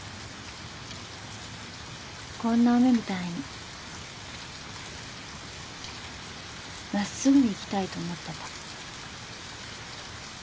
こんな雨みたいにまっすぐに生きたいと思ってた。